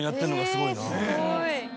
すごい。